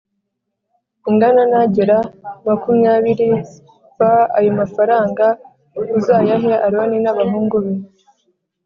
ingana na gera makumyabiri f Ayo mafaranga uzayahe Aroni n abahungu be